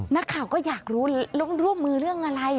นักข่าวก็อยากรู้แล้วร่วมมือเรื่องอะไร